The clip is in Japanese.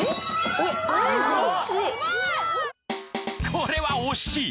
これは惜しい！